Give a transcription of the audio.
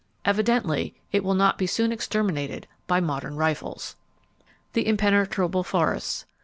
Evidently it will not soon be exterminated by modern rifles. The Impenetrable Forests.